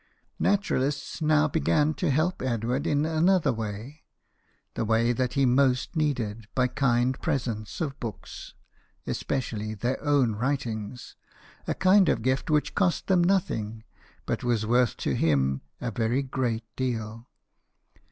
Naturalists now began to help Edward in another way, the way that he most needed, by kind presents of books, especially their own writings a kind of gift which cost them i88 BIOGRAPHIES OF WORKING MEN. nothing, but was worth to him a very great deal.